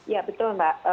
ya betul mbak